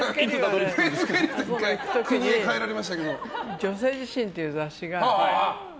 「女性自身」っていう雑誌があって。